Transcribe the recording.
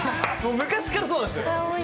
昔からそうなんですよ。